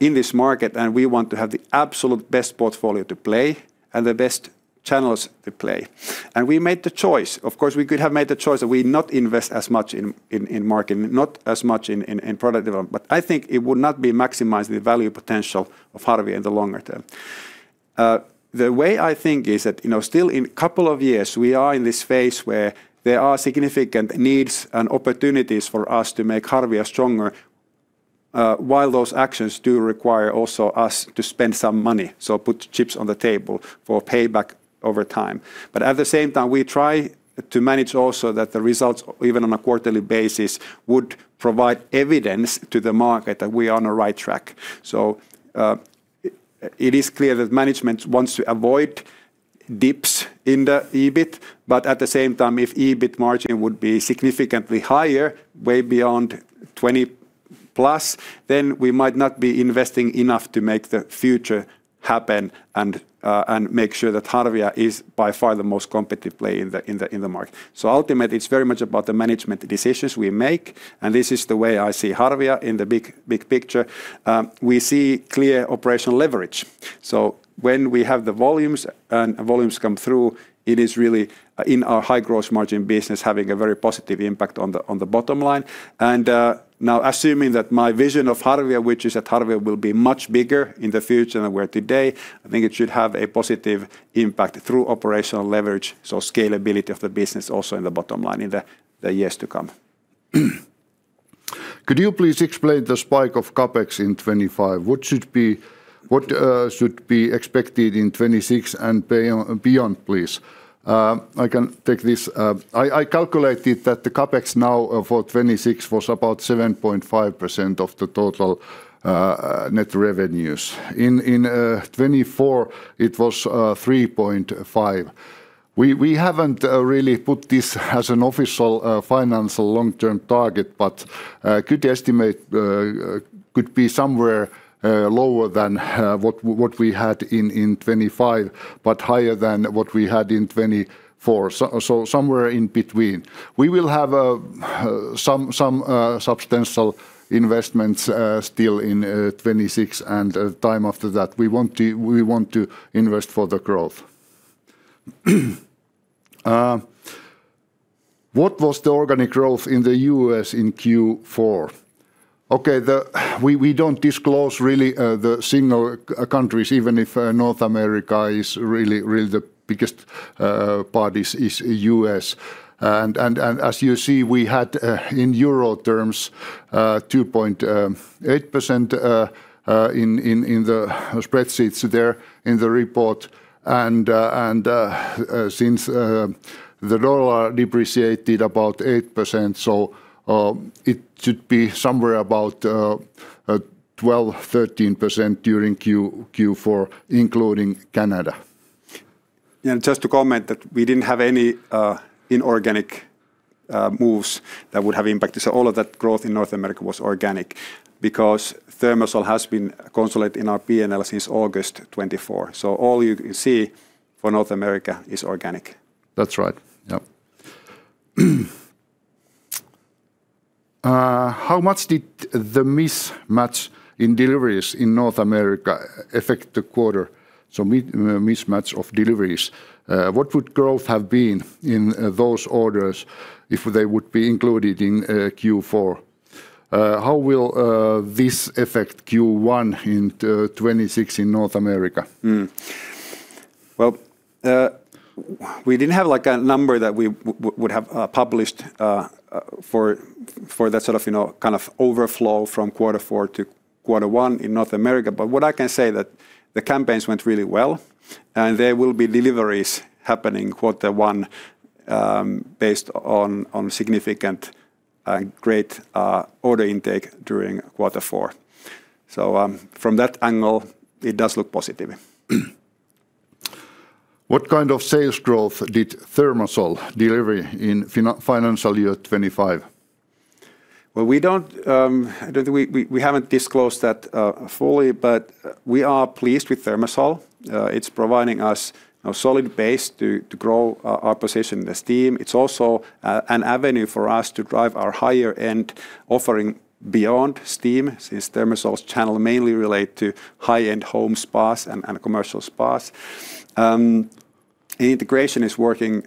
in this market, and we want to have the absolute best portfolio to play and the best channels to play. And we made the choice. Of course, we could have made the choice that we not invest as much in marketing, not as much in product development, but I think it would not be maximizing the value potential of Harvia in the longer term. The way I think is that, you know, still in couple of years, we are in this phase where there are significant needs and opportunities for us to make Harvia stronger, while those actions do require also us to spend some money, so put chips on the table for payback over time. But at the same time, we try to manage also that the results, even on a quarterly basis, would provide evidence to the market that we are on the right track. So, it is clear that management wants to avoid dips in the EBIT, but at the same time, if EBIT margin would be significantly higher, way beyond 20%+, then we might not be investing enough to make the future happen and make sure that Harvia is by far the most competitive player in the market. So ultimately, it's very much about the management decisions we make, and this is the way I see Harvia in the big, big picture. We see clear operational leverage. So when we have the volumes and volumes come through, it is really, in our high growth margin business, having a very positive impact on the, on the bottom line. And, now assuming that my vision of Harvia, which is that Harvia will be much bigger in the future than we are today, I think it should have a positive impact through operational leverage, so scalability of the business also in the bottom line in the, the years to come. Could you please explain the spike of CapEx in 2025? What should be, what, should be expected in 2026 and beyond, please? I can take this. I calculated that the CapEx now for 2026 was about 7.5% of the total, net revenues. In, in, 2024, it was, 3.5%. We haven't really put this as an official, financial long-term target, but, good estimate, could be somewhere, lower than, what, what we had in, in 2025, but higher than what we had in 2024. So, somewhere in between. We will have, some, some, substantial investments, still in, 2026 and, time after that. We want to, we want to invest for the growth. What was the organic growth in the U.S. in Q4? Okay, we don't disclose really the single countries, even if North America is really really the biggest part is U.S.. And as you see, we had in euro terms 2.8% in the spreadsheets there in the report. And since the dollar depreciated about 8%, so it should be somewhere about 12%-13% during Q4, including Canada. And just to comment that we didn't have any inorganic moves that would have impacted. So all of that growth in North America was organic because ThermaSol has been consolidated in our P&L since August 2024. So all you can see for North America is organic. That's right. Yep. How much did the mismatch in deliveries in North America affect the quarter? So, mismatch of deliveries. What would growth have been in those orders if they would be included in Q4? How will this affect Q1 in 2026 in North America? Hmm. Well, we didn't have, like, a number that we would have for that sort of, you know, kind of overflow from quarter four to quarter one in North America. But what I can say that the campaigns went really well, and there will be deliveries happening quarter one based on significant and great order intake during quarter four. So, from that angle, it does look positive. What kind of sales growth did ThermaSol deliver in financial year 2025? Well, we don't. I don't think we haven't disclosed that fully, but we are pleased with ThermaSol. It's providing us a solid base to grow our position in the steam. It's also an avenue for us to drive our higher-end offering beyond steam, since ThermaSol's channel mainly relate to high-end home spas and commercial spas. The integration is working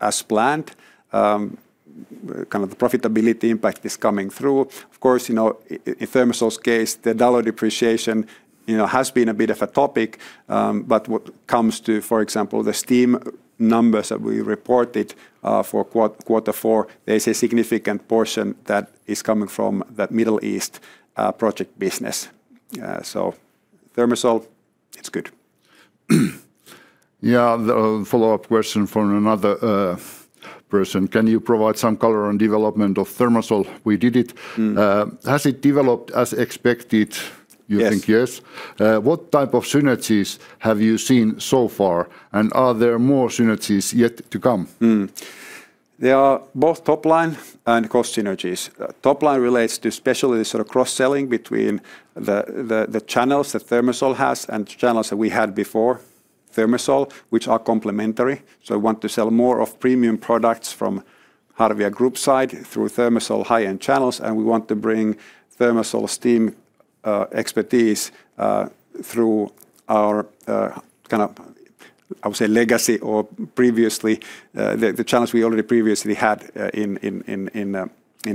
as planned. Kind of the profitability impact is coming through. Of course, you know, in ThermaSol's case, the dollar depreciation, you know, has been a bit of a topic. But when it comes to, for example, the steam numbers that we reported for quarter four, there's a significant portion that is coming from that Middle East project business. So ThermaSol, it's good. Yeah, the follow-up question from another person: "Can you provide some color on development of ThermaSol?" We did it. Mm. Has it developed as expected Yes. You think, yes? What type of synergies have you seen so far, and are there more synergies yet to come? There are both top-line and cost synergies. Top-line relates to especially the sort of cross-selling between the channels that ThermaSol has and the channels that we had before ThermaSol, which are complementary. So we want to sell more of premium products from Harvia Group side through ThermaSol high-end channels, and we want to bring ThermaSol steam expertise through our kind of, I would say, legacy or previously the channels we already previously had in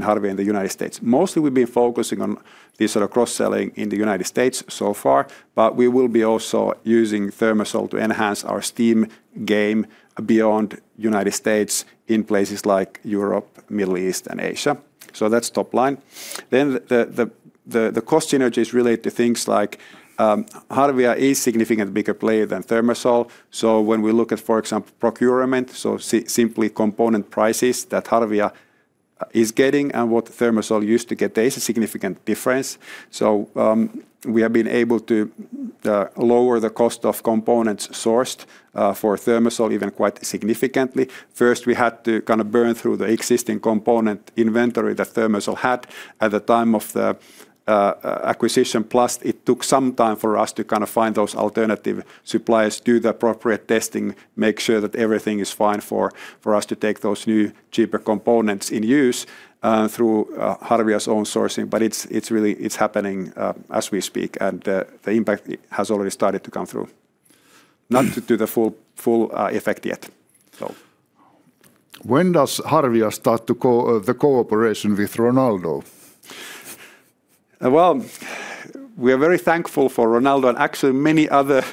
Harvia in the United States. Mostly we've been focusing on this sort of cross-selling in the United States so far, but we will be also using ThermaSol to enhance our steam game beyond United States in places like Europe, Middle East, and Asia. So that's top line. Then the cost synergies relate to things like, Harvia is significantly bigger player than ThermaSol. So when we look at, for example, procurement, so simply component prices that Harvia is getting and what ThermaSol used to get, there is a significant difference. So, we have been able to lower the cost of components sourced for ThermaSol even quite significantly. First, we had to kind of burn through the existing component inventory that ThermaSol had at the time of the acquisition, plus it took some time for us to kind of find those alternative suppliers, do the appropriate testing, make sure that everything is fine for us to take those new, cheaper components in use through Harvia's own sourcing. But it's really happening as we speak, and the impact has already started to come through. Not to the full effect yet, so. When does Harvia start the cooperation with Ronaldo? Well, we are very thankful for Ronaldo and actually many other,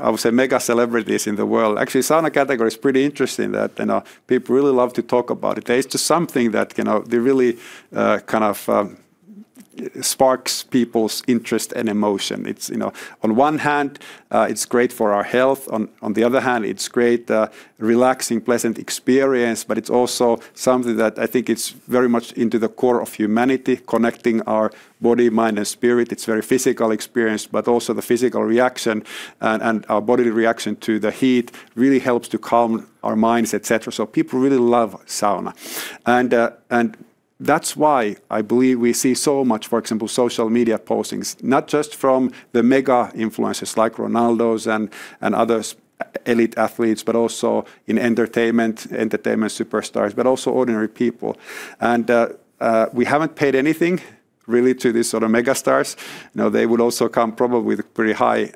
I would say, mega celebrities in the world. Actually, sauna category is pretty interesting that, you know, people really love to talk about it. There is just something that, you know, that really, kind of, sparks people's interest and emotion. It's, you know, on one hand, it's great for our health. On the other hand, it's great, relaxing, pleasant experience, but it's also something that I think it's very much into the core of humanity, connecting our body, mind, and spirit. It's a very physical experience, but also the physical reaction and our body reaction to the heat really helps to calm our minds, et cetera. So people really love sauna, and that's why I believe we see so much, for example, social media postings, not just from the mega influencers like Ronaldo and others, elite athletes, but also in entertainment superstars, but also ordinary people. And we haven't paid anything really to this sort of mega stars. You know, they would also come probably with a pretty high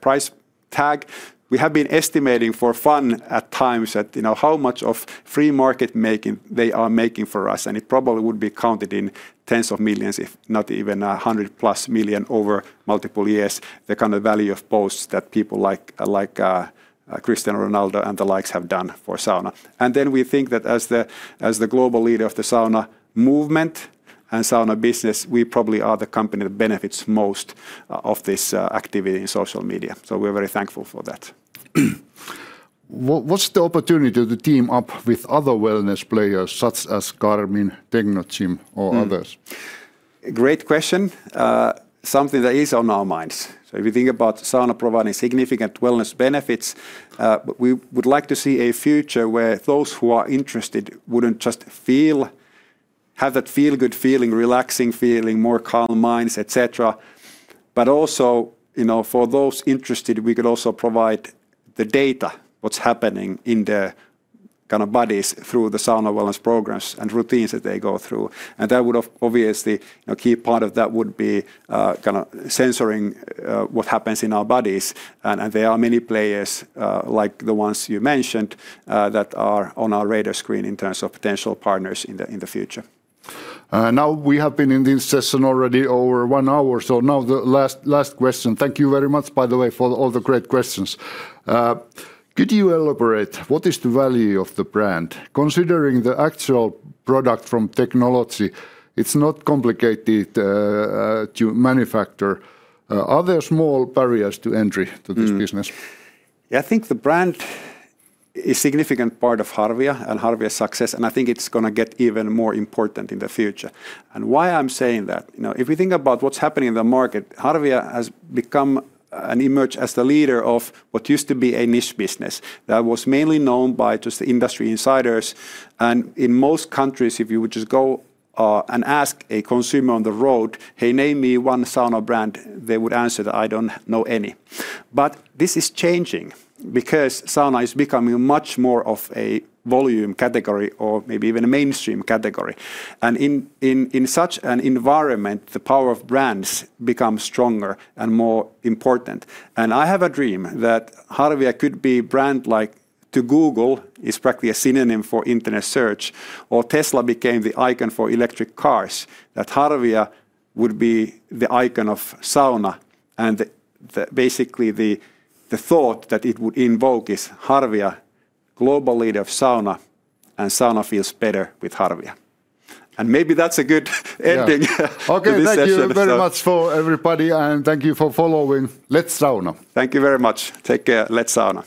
price tag. We have been estimating for fun at times that, you know, how much of free marketing they are making for us, and it probably would be counted in tens of millions EUR, if not even 100-plus million EUR over multiple years, the kind of value of posts that people like, like, Cristiano Ronaldo and the likes have done for sauna. And then we think that as the global leader of the sauna movement and sauna business, we probably are the company that benefits most of this activity in social media, so we're very thankful for that. What's the opportunity to team up with other wellness players such as Garmin, Technogym, or others? Mm. Great question. Something that is on our minds. So if you think about sauna providing significant wellness benefits, but we would like to see a future where those who are interested wouldn't just feel have that feel-good feeling, relaxing feeling, more calm minds, et cetera, but also, you know, for those interested, we could also provide the data, what's happening in their kind of bodies through the sauna wellness programs and routines that they go through. And that would obviously, you know, key part of that would be, kind of sensing, what happens in our bodies, and there are many players, like the ones you mentioned, that are on our radar screen in terms of potential partners in the future. Now we have been in this session already over one hour, so now the last, last question. Thank you very much, by the way, for all the great questions. Could you elaborate, what is the value of the brand? Considering the actual product from technology, it's not complicated to manufacture. Are there small barriers to entry to this business? Yeah, I think the brand is significant part of Harvia and Harvia's success, and I think it's gonna get even more important in the future. And why I'm saying that, you know, if you think about what's happening in the market, Harvia has become and emerged as the leader of what used to be a niche business that was mainly known by just the industry insiders. And in most countries, if you would just go and ask a consumer on the road, "Hey, name me one sauna brand," they would answer that, "I don't know any." But this is changing because sauna is becoming much more of a volume category or maybe even a mainstream category, and in such an environment, the power of brands become stronger and more important. I have a dream that Harvia could be brand like to Google is practically a synonym for internet search or Tesla became the icon for electric cars, that Harvia would be the icon of sauna, and basically, the thought that it would invoke is Harvia, global leader of sauna, and sauna feels better with Harvia. And maybe that's a good ending- Yeah To this session. Okay, thank you very much for everybody, and thank you for following. Let's sauna! Thank you very much. Take care. Let's sauna.